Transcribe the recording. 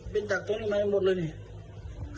เป็นจักรตัวไม่ได้หมดเลยเนี่ย